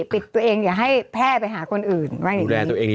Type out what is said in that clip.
ปิดตัวเองอย่าให้แพร่ไปหาคนอื่นว่าอย่างนี้